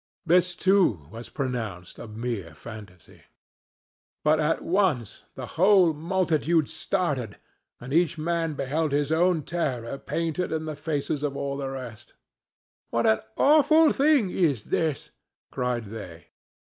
This too was pronounced a mere fantasy. But at once the whole multitude started, and each man beheld his own terror painted in the faces of all the rest. "What an awful thing is this!" cried they.